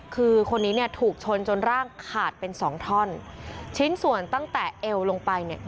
คือคนนี้เนี่ยถูกชนจนร่างขาดเป็นสองท่อนชิ้นส่วนตั้งแต่เอวลงไปเนี่ย